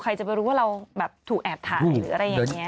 ใครจะไปรู้ว่าเราแบบถูกแอบถ่ายหรืออะไรอย่างนี้